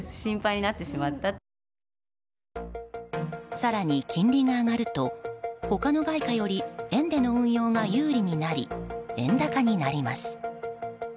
更に、金利が上がると他の外貨より円での運用が有利になり円高になります。